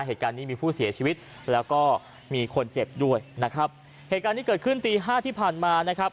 เหตุการณ์นี้มีผู้เสียชีวิตแล้วก็มีคนเจ็บด้วยนะครับเหตุการณ์ที่เกิดขึ้นตีห้าที่ผ่านมานะครับ